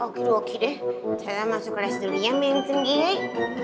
oke deh oke deh saya masuk ke restur ya minggu ini